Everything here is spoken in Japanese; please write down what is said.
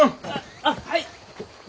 あっはい！